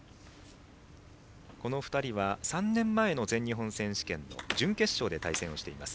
この２人は３年前の全日本選手権準決勝で対戦をしています。